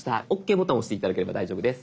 ボタン押して頂ければ大丈夫です。